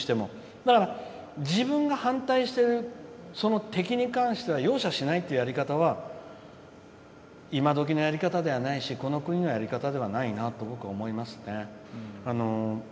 だから自分が反対している敵に関しては容赦しないってやり方は今どきのやり方ではないしこの国のやり方ではないなと僕は思いますね。